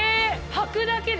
はくだけで？